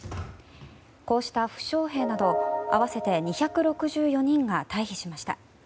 こうした負傷兵など、合わせて２６４人が退避しました。